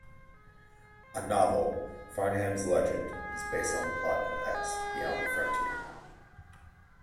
A novel, "Farnham's Legend", is based on the plot of "X: Beyond the Frontier".